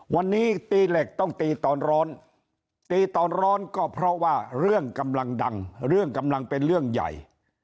วันนี้ตีเหล็กต้องตีตอนร้อนตีตอนร้อนก็เพราะว่าเรื่องกำลังดังเรื่องกำลังเป็นเรื่องใหญ่